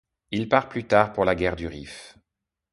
Il part plus tard pour la guerre du Rif.